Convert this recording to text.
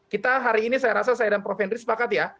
kita hari ini saya rasa saya dan prof henry sepakat ya